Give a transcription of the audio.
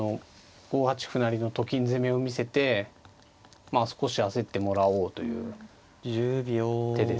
５八歩成のと金攻めを見せてまあ少し焦ってもらおうという手です。